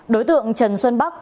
đối tượng trần xuân bắc